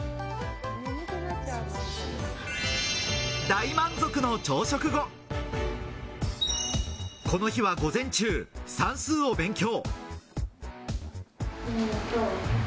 大満足の朝食後、この日は午前中、算数を勉強。